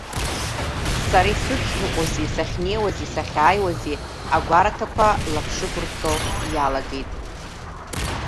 Сара исыцныҟәози, сахьнеиуази, сахьааиуази агәараҭақәа лаԥшықәырҵо иалагеит.